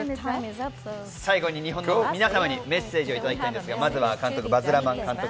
最後に日本の皆様にメッセージをいただきたいんですが、まずは監督。